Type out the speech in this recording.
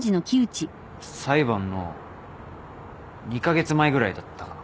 裁判の２カ月前ぐらいだったかな。